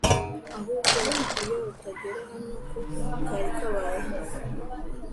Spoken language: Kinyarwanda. ahubwo iyo utagera hano ko kari kabaye!